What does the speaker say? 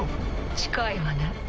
近いわね。